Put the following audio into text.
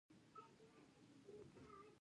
ازادي راډیو د بیکاري حالت په ډاګه کړی.